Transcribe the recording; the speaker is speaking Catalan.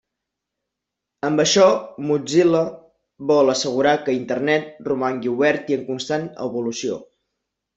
Amb això, Mozilla vol assegurar que Internet romangui obert i en constant evolució.